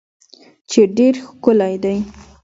چې ډیر ښکلی دی